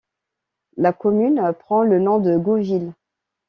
La commune prend le nom de Gouville.